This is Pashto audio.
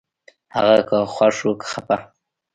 هغه که خوښ و که خپه